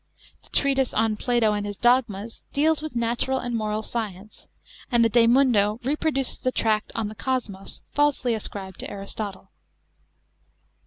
The treatise on " Plato and his dogmas" deals with natural and moral science, and the De Mundo reproduces the tract "On the Kosmos " falsely ascribed to Aristotle.